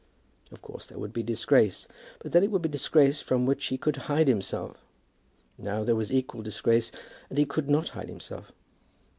Of course there would be disgrace. But then it would be disgrace from which he could hide himself. Now there was equal disgrace; and he could not hide himself.